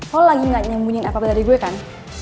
lo lagi gak nyembunyiin apa apa dari gue kan